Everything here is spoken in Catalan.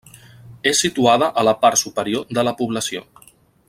És situada a la part superior de la població.